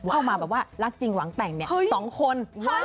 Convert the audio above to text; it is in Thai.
เข้ามาแบบว่ารักจริงหวังแต่งเนี่ย๒คน